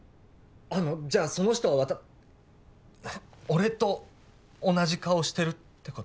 あのじゃあその人わた俺と同じ顔してるってこと？